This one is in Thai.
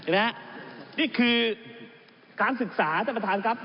และนี่คือการศึกษาท่านประธานครับ